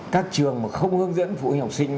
các trường mà không hướng dẫn phụ huynh học sinh